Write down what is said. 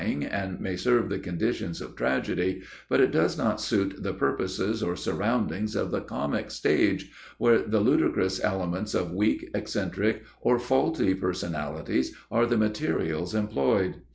The portrayal of a good character may be edifying, and may serve the conditions of tragedy, but it does not suit the purposes or surroundings of the comic stage, where the ludicrous elements of weak, eccentric, or faulty personalities are the materials employed.